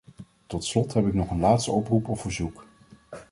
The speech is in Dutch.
Tot slot heb ik nog een laatste oproep of verzoek.